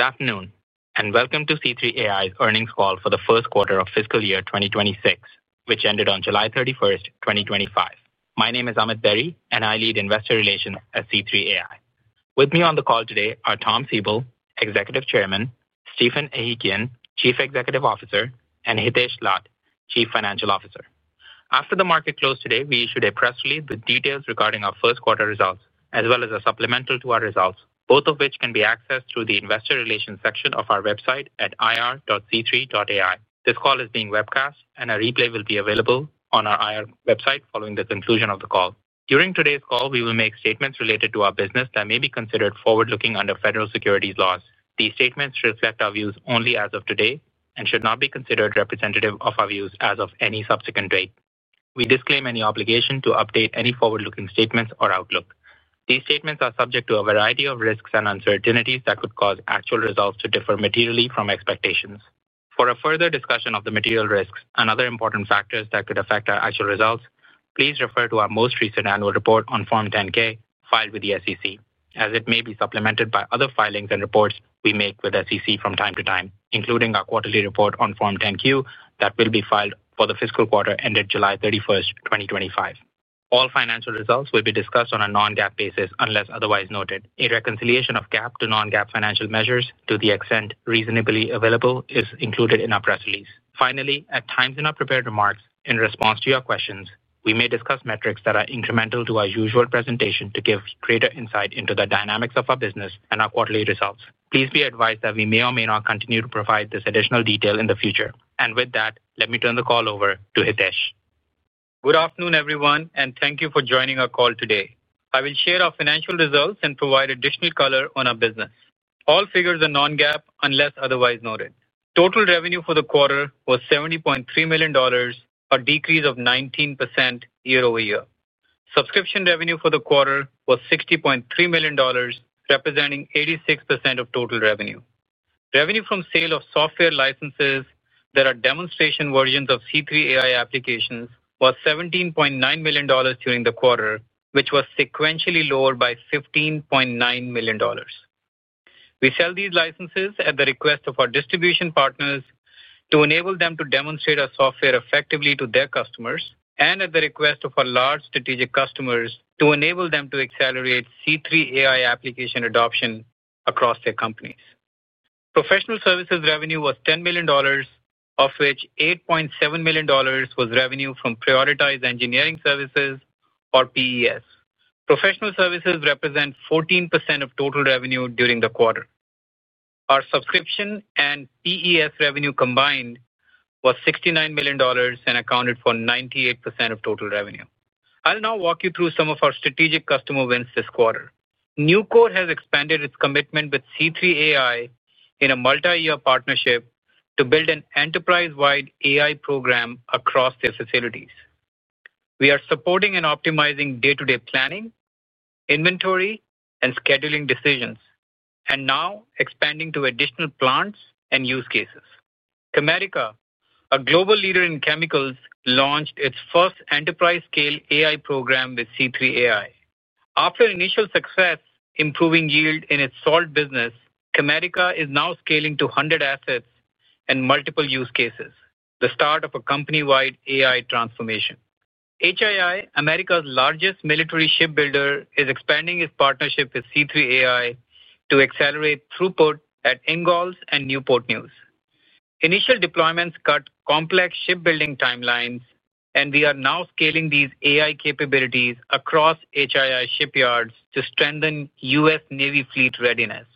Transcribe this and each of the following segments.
Good afternoon, and welcome to C3AI's earnings call for the 2026, which ended on 07/31/2025. My name is Amit Bedi, and I lead Investor Relations at C3AI. With me on the call today are Tom Siebel, Executive Chairman Stephen Ahikian, Chief Executive Officer and Hitesh Latt, Chief Financial Officer. After the market closed today, we issued a press release with details regarding our first quarter results as well as a supplemental to our results, both of which can be accessed through the Investor Relations section of our website @ir.c3.ai. This call is being webcast and a replay will be available on our IR website following the conclusion of the call. During today's call, we will make statements related to our business that may be considered forward looking under federal securities laws. These statements reflect our views only as of today and should not be considered representative of our views as of any subsequent date. We disclaim any obligation to update any forward looking statements or outlook. These statements are subject to a variety of risks and uncertainties that could cause actual results to differ materially from expectations. For a further discussion of the material risks and other important factors that could affect our actual results, please refer to our most recent annual report on Form 10 ks filed with the SEC as it may be supplemented by other filings and reports we make with SEC from time to time, including our quarterly report on Form 10 Q that will be filed for the fiscal quarter ended 07/31/2025. All financial results will be discussed on a non GAAP basis unless otherwise noted. A reconciliation of GAAP to non GAAP financial measures to the extent reasonably available is included in our press release. Finally, at times in our prepared remarks, in response to your questions, we may discuss metrics that are incremental to our usual presentation to give greater insight into the dynamics of our business and our quarterly results. Please be advised that we may or may not continue to provide this additional detail in the future. And with that, let me turn the call over to Hitesh. Good afternoon, everyone, and thank you for joining our call today. I will share our financial results and provide additional color on our business. All figures are non GAAP unless otherwise noted. Total revenue for the quarter was $70,300,000 a decrease of 19% year over year. Subscription revenue for the quarter was $60,300,000 representing 86% of total revenue. Revenue from sale of software licenses that are demonstration versions of C3AI applications was $17,900,000 during the quarter, which was sequentially lower by $15,900,000 We sell these licenses at the request of our distribution partners to enable them to demonstrate our software effectively to their customers and at the request of our large strategic customers to enable them to accelerate C3AI application adoption across their companies. Professional services revenue was $10,000,000 of which $8,700,000 was revenue from Prioritized Engineering Services or PES. Professional services represent 14% of total revenue during the quarter. Our subscription and PES revenue combined was $69,000,000 and accounted for 98% of total revenue. I'll now walk you through some of our strategic customer wins this quarter. Nucor has expanded its commitment with C3AI in a multiyear partnership to build an enterprise wide AI program across their facilities. We are supporting and optimizing day to day planning, inventory and scheduling decisions and now expanding to additional plants and use cases. Chimerica, a global leader in chemicals, launched its first enterprise scale AI program with C3AI. After initial success improving yield in its salt business, Chimerica is now scaling to 100 assets and multiple use cases, the start of a company wide AI transformation. HII, America's largest military shipbuilder, is expanding its partnership with C3AI to accelerate throughput at Ingalls and Newport News. Initial deployments cut complex shipbuilding timelines and we are now scaling these AI capabilities across HII shipyards to strengthen US Navy fleet readiness.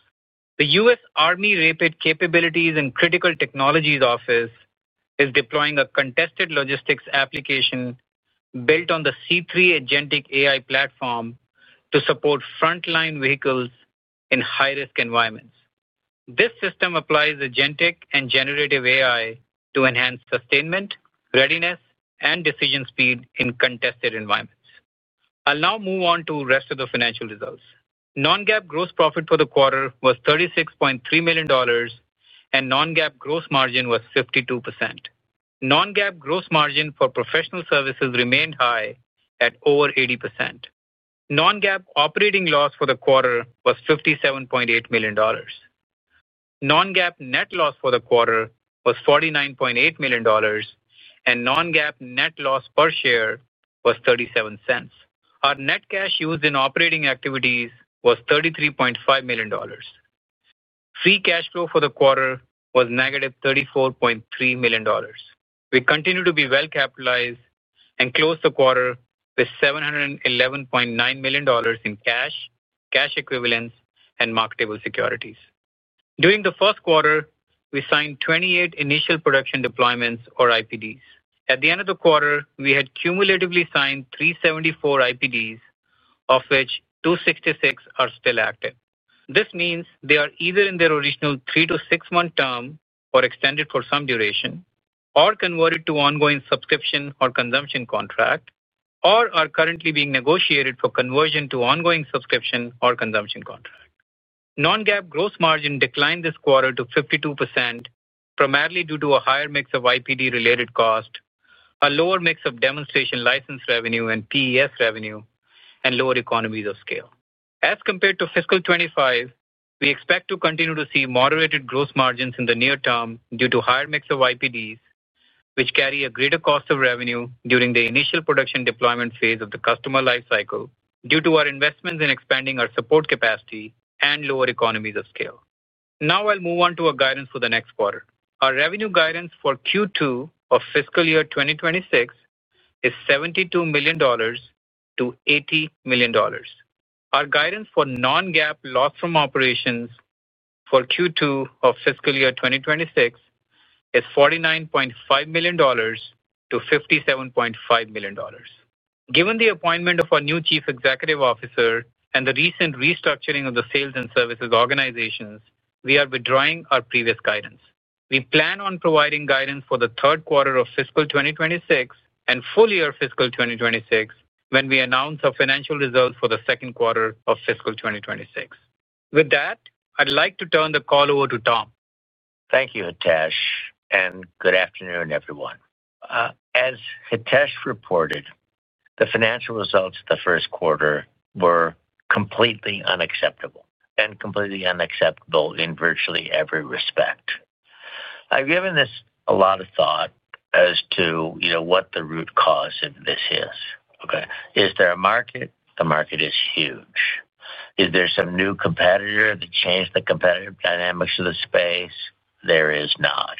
The US Army Rapid Capabilities and Critical Technologies Office is deploying a contested logistics application built on the C3 AgenTeq AI platform to support frontline vehicles in high risk environments. This system applies AgenTeq and generative AI to enhance sustainment, readiness and decision speed in contested environments. I'll now move on to rest of the financial results. Non GAAP gross profit for the quarter was $36,300,000 and non GAAP gross margin was 52%. Non GAAP gross margin for professional services remained high at over 80%. Non GAAP operating loss for the quarter was $57,800,000 Non GAAP net loss for the quarter was $49,800,000 and non GAAP net loss per share was $0.37 Our net cash used in operating activities was $33,500,000 Free cash flow for the quarter was negative $34,300,000 We continue to be well capitalized and closed the quarter with $711,900,000 in cash, cash equivalents and marketable securities. During the first quarter, we signed 28 initial production deployments or IPDs. At the end of the quarter, we had cumulatively signed three seventy four IPDs, of which two sixty six are still active. This means they are either in their original three to six month term or extended for some duration or converted to ongoing subscription or consumption contract or are currently being negotiated for conversion to ongoing subscription or consumption contract. Non GAAP gross margin declined this quarter to 52%, primarily due to a higher mix of IPD related cost, a lower mix of demonstration license revenue and PES revenue and lower economies of scale. As compared to fiscal twenty twenty five, we expect to continue to see moderated gross margins in the near term due to higher mix of IPDs, which carry a greater cost of revenue during the initial production deployment phase of the customer lifecycle due to our investments in expanding our support capacity and lower economies of scale. Now I'll move on to our guidance for the next quarter. Our revenue guidance for 2026 is $72,000,000 to $80,000,000 Our guidance for non GAAP loss from operations for 2026 is $49,500,000 to $57,500,000 Given the appointment of our new Chief Executive Officer and the recent restructuring of the sales and services organizations, we are withdrawing our previous guidance. We plan on providing guidance for the 2026 and full year fiscal twenty twenty six when we announce our financial results for the 2026. With that, I'd like to turn the call over to Tom. Thank you, Hitesh, and good afternoon, everyone. As Hitesh reported, the financial results of the first quarter were completely unacceptable and completely unacceptable in virtually every respect. I've given this a lot of thought as to, you know, what the root cause of this is. Okay? Is there a market? The market is huge. Is there some new competitor to change the competitive dynamics of the space? There is not.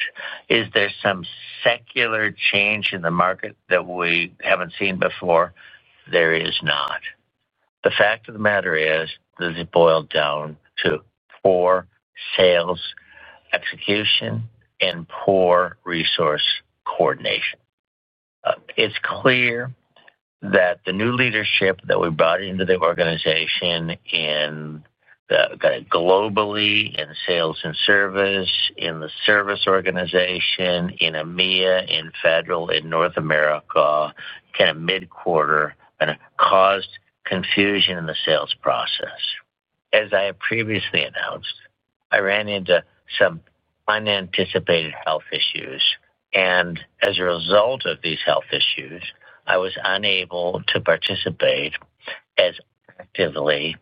Is there some secular change in the market that we haven't seen before? There is not. The fact of the matter is that it boiled down to poor sales execution and poor resource coordination. It's clear that the new leadership that we brought into the organization in the that globally in sales and service, in the service organization, in EMEA, in federal, in North America, kind of mid quarter, and it caused confusion in the sales process. As I have previously announced, I ran into some unanticipated health issues. And as a result of these health issues, I was unable to participate as actively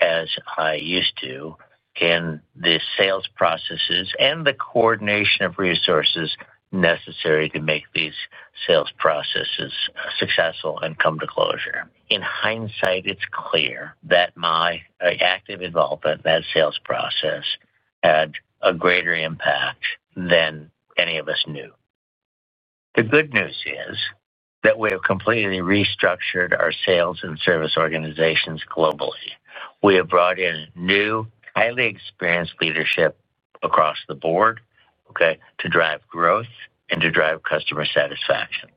as I used to in the sales processes and the coordination of resources necessary to make these sales processes successful and come to closure. In hindsight, it's clear that my active involvement, that sales process had a greater impact than any of us knew. The good news is that we have completely restructured our sales and service organizations globally. We have brought in new highly experienced leadership across the board, okay, to drive growth and to drive customer satisfaction.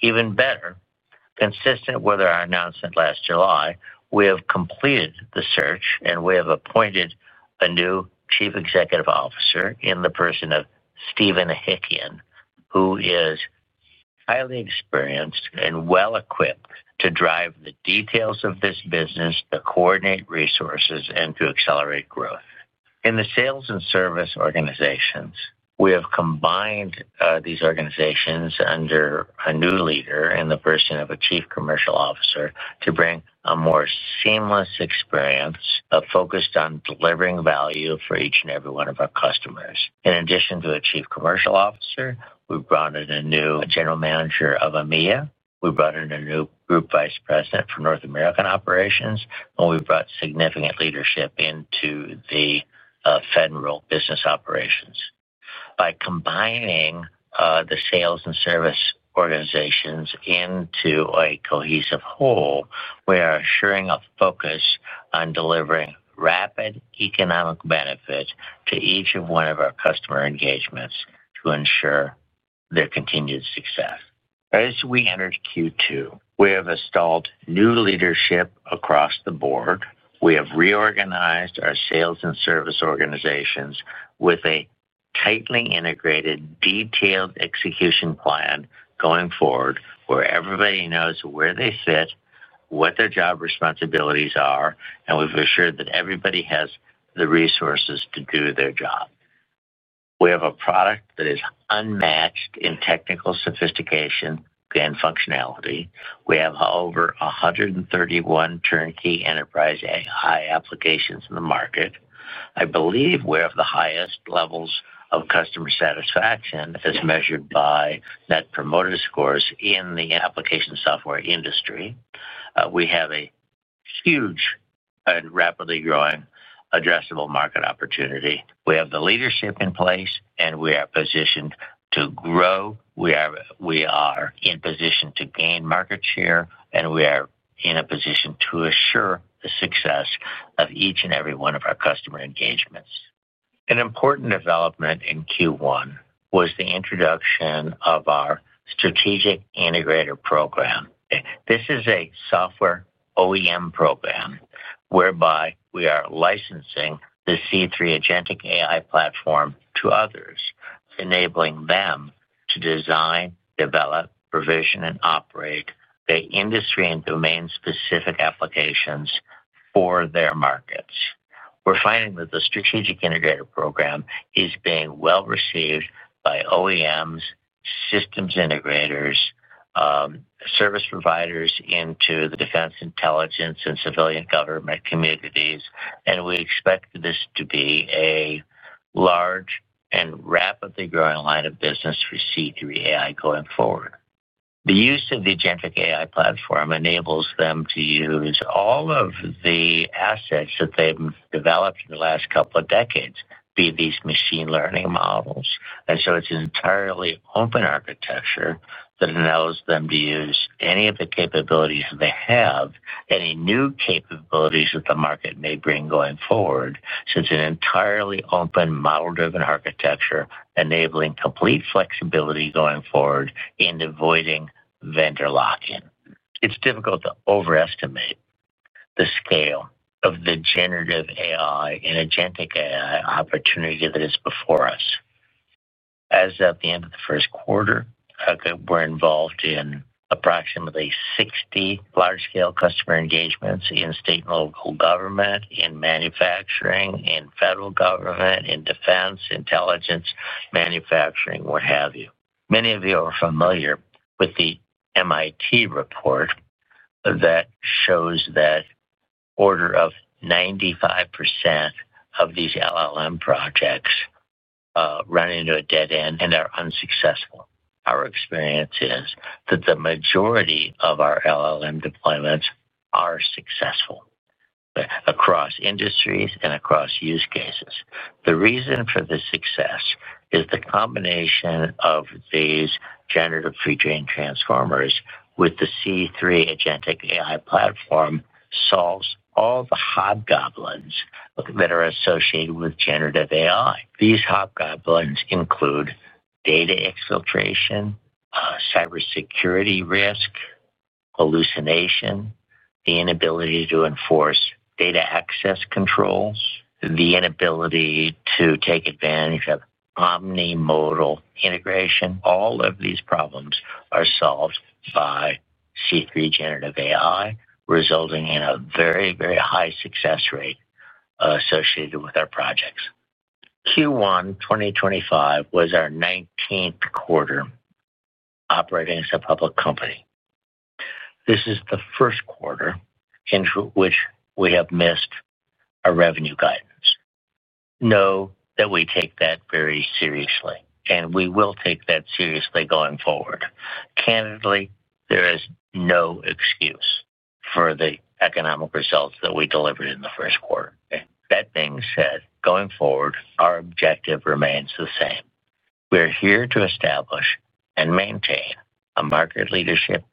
Even better, consistent with our announcement last July, we have completed the search and we have appointed a new chief executive officer in the person of Steven Hickian, who is highly experienced and well equipped to drive the details of this business to coordinate resources and to accelerate growth. In the sales and service organizations, we have combined, these organizations under a new leader and the person of a chief commercial officer to bring a more seamless experience focused on delivering value for each and every one of our customers. In addition to a chief commercial officer, we brought in a new general manager of EMEA. We brought in a new group vice president for North American operations, and we brought significant leadership into the federal business operations. By combining the sales and service organizations into a cohesive whole, we are assuring a focus on delivering rapid economic benefit to each and one of our customer engagements to ensure their continued success. As we entered q two, we have installed new leadership across the board. We have reorganized our sales and service organizations with a tightly integrated detailed execution plan going forward where everybody knows where they sit, what their job responsibilities are, and we've assured that everybody has the resources to do their job. We have a product that is unmatched in technical sophistication and functionality. We have over a 131 turnkey enterprise AI applications in the market. I believe we have the highest levels of customer satisfaction as measured by net promoter scores in the application software industry. We have a huge and rapidly growing addressable market opportunity. We have the leadership in place and we are positioned to grow. We are we are in position to gain market share and we are in a position to assure the success of each and every one of our customer engagements. An important development in q one was the introduction of our strategic integrator program. This is a software OEM program whereby we are licensing the c three AgenTik AI platform to others enabling them to design, develop, provision, and operate the industry and domain specific applications for their markets. We're finding that the strategic integrator program is being well received by OEMs, systems integrators, service providers into the defense intelligence and civilian government communities, and we expect this to be a large and rapidly growing line of business for c three AI going forward. The use of the Genetic AI platform enables them to use all of the assets that they've developed in the last couple of decades, be these machine learning models. And so it's an entirely open architecture that allows them to use any of the capabilities they have, any new capabilities that the market may bring going forward. Since an entirely open model driven architecture enabling complete flexibility going forward and avoiding vendor lock in. It's difficult to overestimate the scale of the generative AI and agentic AI opportunity that is before us. As of the end of the first quarter, I think we're involved in approximately 60 large scale customer engagements in state and local local government, in manufacturing, in federal government, in defense, intelligence, manufacturing, what have you. Many of you are familiar with the MIT report that shows that order of 95% of these LLM projects run into a dead end and are unsuccessful. Our experience is that the majority of our LLM deployments are successful across industries and across use cases. The reason for the success is the combination of these generative free chain transformers with the c three AgenTeq AI platform solves all the hobgoblins that associated with generative AI. These hobgoblins include data exfiltration, cybersecurity risk, hallucination, the inability to enforce data access controls, the inability to take advantage of omni modal integration. All of these problems are solved by c three generative AI resulting in a very, very high success rate associated with our projects. Q one twenty twenty five was our nineteenth quarter operating as a public company. This is the first quarter into which we have missed our revenue guidance. Know that we take that very seriously, and we will take that seriously going forward. Candidly, there is no excuse for the economic results that we delivered in the first quarter. That being said, going forward, our objective remains the same. We're here to establish and maintain a market leadership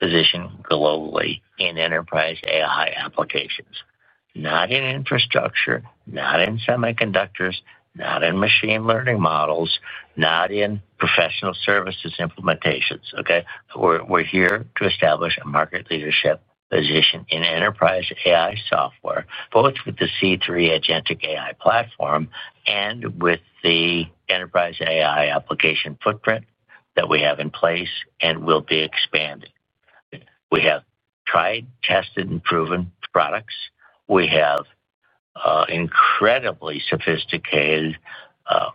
position globally in enterprise AI applications, not in infrastructure, not in semiconductors, not in machine learning models, not in professional services implementations. Okay? We're we're here to establish a market leadership position in enterprise AI software, both with the c three AgenTeq AI platform and with the enterprise AI application footprint that we have in place and will be expanded. We have tried, tested, and proven products. We have incredibly sophisticated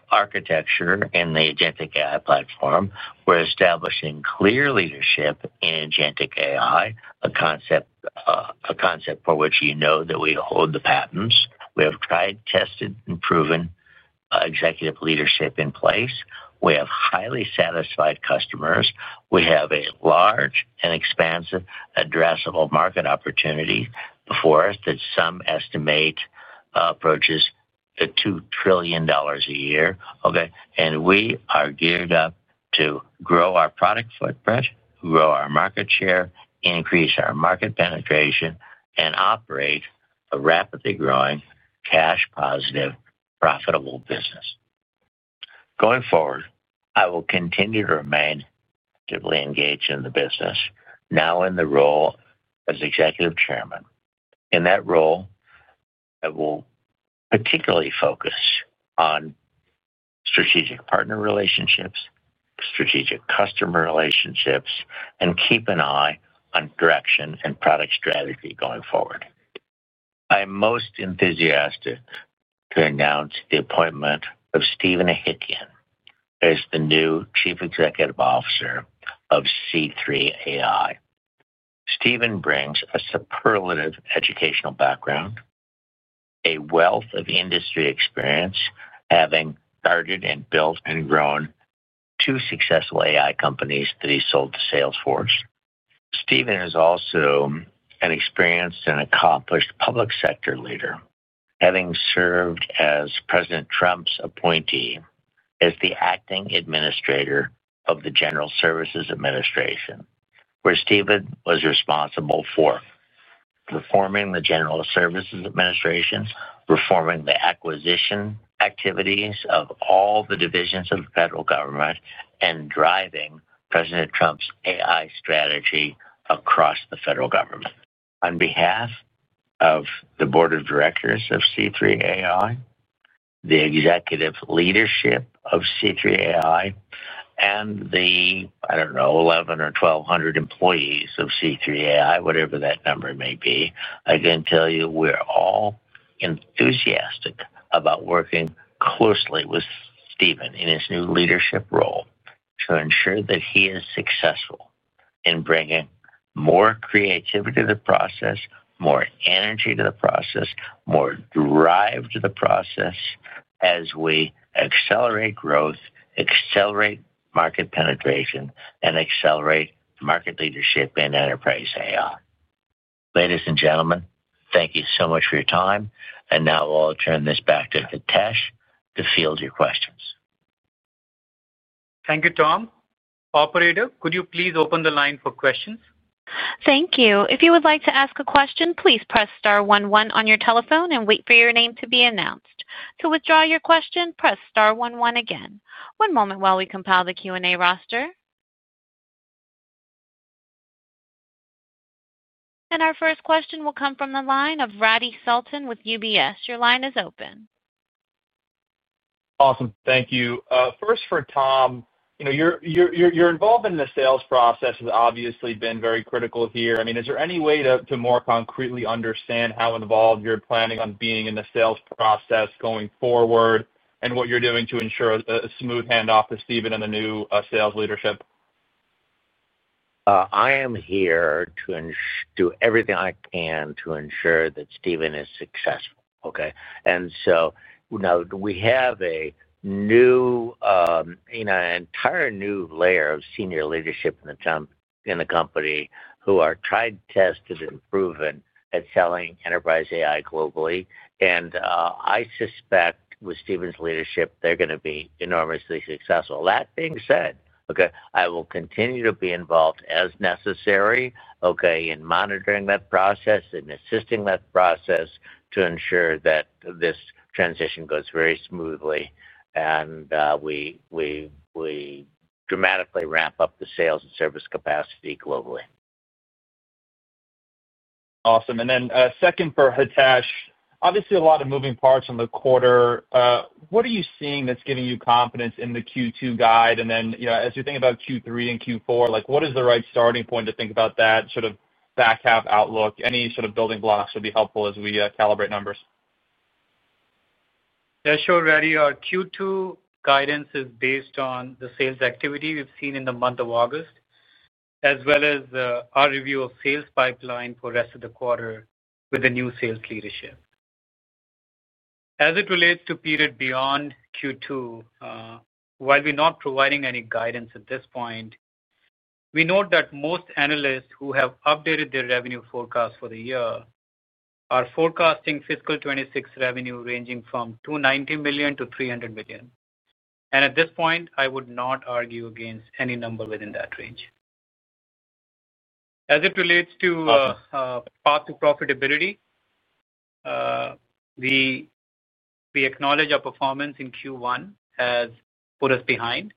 architecture in the AgenTik AI platform. We're establishing clear leadership in AgenTik AI, a concept a concept for which you know that we hold the patents. We have tried, tested, and proven executive leadership in place. We have highly satisfied customers. We have a large and expansive addressable market opportunity before us that some estimate approaches the $2,000,000,000,000 a year. Okay? And we are geared up to grow our product footprint, grow our market share, increase our market penetration, and operate a rapidly growing cash positive profitable business. Going forward, I will continue to remain to be engaged in the business now in the role as executive chairman. In that role, I will particularly focus on strategic partner relationships, strategic customer relationships, and keep an eye on direction and product strategy going forward. I'm most enthusiastic to announce the appointment of Steven Ahitian as the new chief executive officer of c three AI. Steven brings a superlative educational background, a wealth of industry experience having guarded and built and grown two successful AI companies that he sold to Salesforce. Steven is also an experienced and accomplished public sector leader having served as president Trump's appointee as the acting administrator of the General Services Administration where Steven was responsible for performing the general services administration, performing the acquisition activities of all the divisions of the federal government, and driving president Trump's AI strategy across the federal government. On behalf of the board of directors of c three AI, the executive leadership of c three AI, and the, I don't know, 11 or 1,200 employees of c three AI, whatever that number may be, I can tell you we're all enthusiastic about working closely with Steven in his new leadership role to ensure that he is successful in bringing more creativity to the process, more energy to the process, more drive to the process as we accelerate growth, accelerate market penetration, and accelerate market leadership in enterprise AI. Ladies and gentlemen, thank you so much for your time. And now I'll turn this back to Kitesh to field your questions. Thank you, Tom. Operator, could you please open the line for questions? Thank you. And our first question will come from the line of Roddy Sultan with UBS. Your line is open. Awesome. Thank you. First for Tom, your involvement in the sales process has obviously been very critical here. I mean, there any way to more concretely understand how involved you're planning on being in the sales process going forward? And what you're doing to ensure a smooth hand off to Steven and the new sales leadership? I am here to do everything I can to ensure that Steven is successful. Okay? And so now we have a new, you know, an entire new layer of senior leadership in the jump in the company who are tried, tested, and proven at selling enterprise AI globally. And I suspect with Steven's leadership, they're gonna be enormously successful. That being said, okay, I will continue to be involved as necessary, okay, in monitoring that process and assisting that process to ensure that this transition goes very smoothly. And we dramatically ramp up the sales and service capacity globally. Awesome. And then second for Hitesh. Obviously, a lot of moving parts in the quarter. What are you seeing that's giving you confidence in the Q2 guide? And then as you think about Q3 and Q4, like what is the right starting point to think about that sort of back half outlook? Any sort of building blocks would be helpful as we calibrate numbers. Yes. Sure, Redi. Our Q2 guidance is based on the sales activity we've seen in the month of August as well as our review of sales pipeline for rest of the quarter with the new sales leadership. As it relates to period beyond Q2, while we're not providing any guidance at this point, we note that most analysts who have updated their revenue forecast for the year are forecasting fiscal twenty twenty six revenue ranging from $290,000,000 to $300,000,000 And at this point, I would not argue against any number within that range. As it relates to path to profitability, we acknowledge our performance in Q1 has put us behind,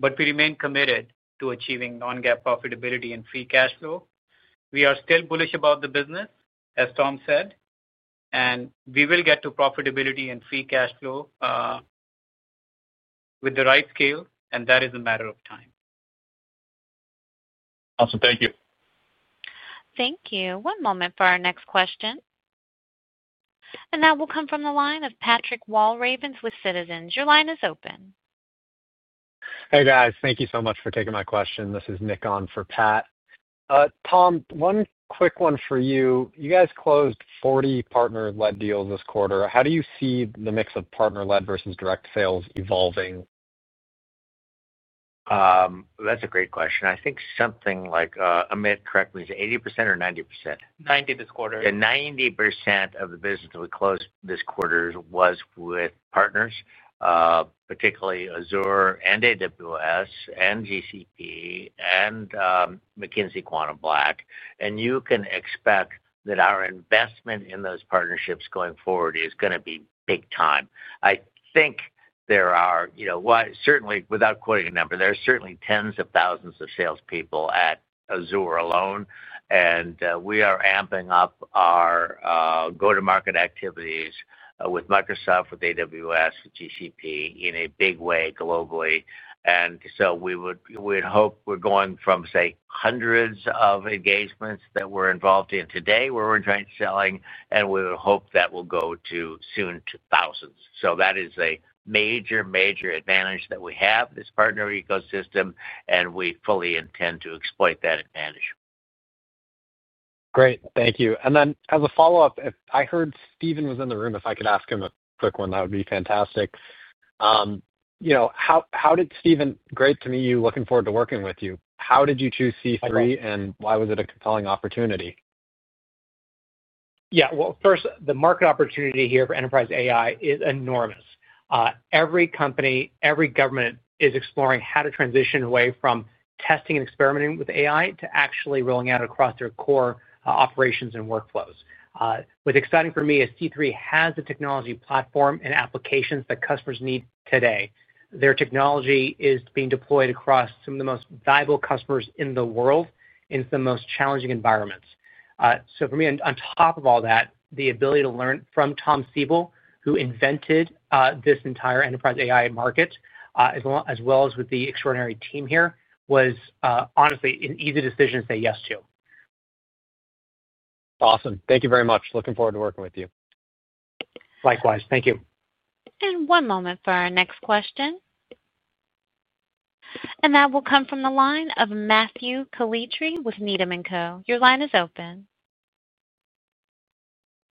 but we remain committed to achieving non GAAP profitability and free cash flow. We are still bullish about the business, as Tom said. And we will get to profitability and free cash flow with the right scale and that is a matter of time. Awesome. Thank you. Thank you. One moment for our next question. And that will come from the line of Patrick Walravens with Citizens. This is Nick on for Pat. Tom, one quick one for you. You guys closed 40 partner led deals this quarter. How do you see the mix of partner led versus direct sales evolving? That's a great question. I think something like Amit, correct me. Is it 80 or 9090% this quarter. And 90% of the business that we closed this quarter was with partners, particularly Azure and AWS and GCP and McKinsey Quantum Black. And you can expect that our investment in those partnerships going forward is going to be big time. I think there are you know, what certainly, without quoting a number, there's certainly tens of thousands of salespeople at Azure alone, and we are amping up our go to market activities with Microsoft, with AWS, with GCP in a big way globally. And so we would we'd hope we're going from, say, hundreds of engagements that we're involved in today where we're trying to selling, and we hope that will go to soon to thousands. So that is a major, major advantage that we have, this partner ecosystem, and we fully intend to exploit that advantage. Great. Thank you. And then as a follow-up, I heard Steven was in the room. If I could ask him a quick one, that would be fantastic. How did Steven great to meet you, looking forward to working with you. Did you choose C3 and why was it a compelling opportunity? Yeah. Well, first, the market opportunity here for enterprise AI is enormous. Every company, every government is exploring how to transition away from testing and experimenting with AI to actually rolling out across their core operations and workflows. What's exciting for me is C3 has the technology platform and applications that customers need today. Their technology is being deployed across some of the most valuable customers in the world in some most challenging environments. So for me, top of all that, the ability to learn from Tom Siebel, who invented this entire enterprise AI market, as well as with the extraordinary team here was honestly an easy decision to say yes to. Awesome. Thank you very much. Looking forward to working with you. Likewise. Thank you. And one moment for our next question. And that will come from the line of Matthew Colitri with Needham and Co. Your line is open.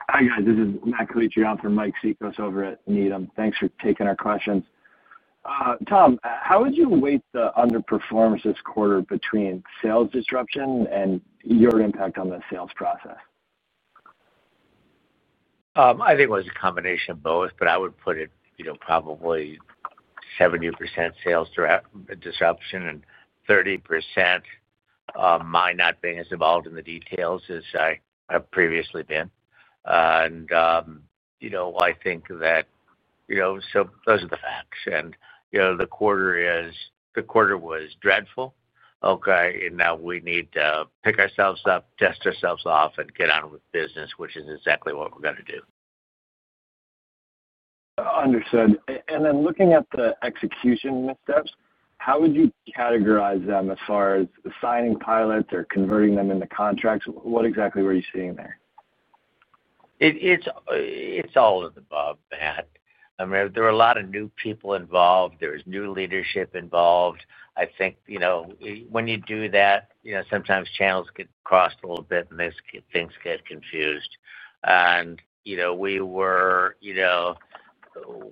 Hi, This is Matt Colitri on for Mike Cikos over at Needham. Thanks for taking our questions. Tom, how would you weight the underperformance this quarter between sales disruption and your impact on the sales process? I think it was a combination of both, but I would put it probably 70% sales disruption and 30% my not being as involved in the details as I have previously been. And, you know, I think that, you know, so those are the facts. And, you know, the quarter is the quarter was dreadful. Okay. And now we need to pick ourselves up, test ourselves off, and get on with business, which is exactly what we're going to do. Understood. And then looking at the execution steps, how would you categorize them as far as signing pilots or converting them into contracts? What exactly were you seeing there? It's all of the above, Matt. I mean, there are a lot of new people involved. There is new leadership involved. I think when you do that, sometimes channels get crossed a little bit and these things get confused. And, you know, we were, you know,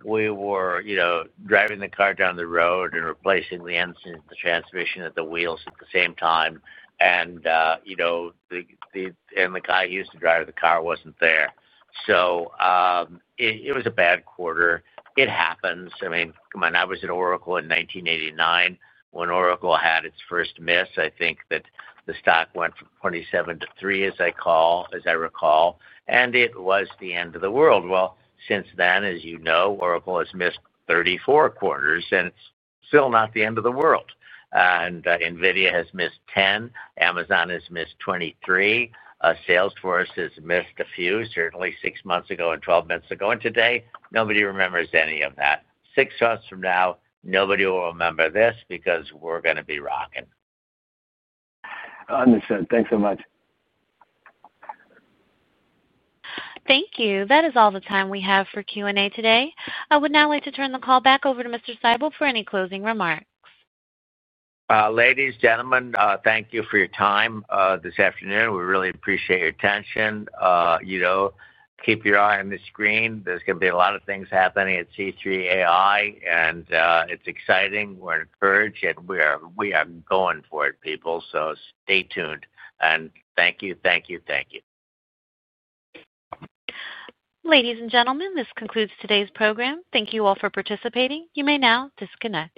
we were, you know, driving the car down the road and replacing the engine, the transmission at the wheels at the same time. And the guy who used to drive the car wasn't there. So it was a bad quarter. It happens. I mean, come on, I was at Oracle in 1989 when Oracle had its first miss. I think that the stock went from 27 to three as I recall, and it was the end of the world. Well, since then, as you know, Oracle has missed 34 quarters and it's still not the end of the world. And NVIDIA has missed 10. Amazon has missed 23. Salesforce has missed a few, certainly six months ago and twelve months ago. And today, nobody remembers any of that. Six months from now, nobody will remember this because we're going to be rocking. Thank you. That is all the time we have for Q and A today. I would now like to turn the call back over Seibel for any closing remarks. Ladies, gentlemen, thank you for your time this afternoon. We really appreciate your attention. Keep your eye on the screen. There's going to be a lot of things happening at C3AI, and it's exciting. We're encouraged, and we are going for it, people. So stay tuned. And thank you. You. Thank you. Ladies and gentlemen, this concludes today's program. Thank you all for participating. You may now disconnect.